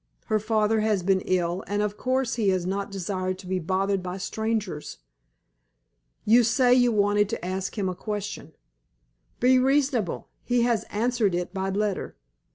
Her father has been ill, and of course he has not desired to be bothered by strangers. You say you wanted to ask him a question. Be reasonable; he has answered it by letter.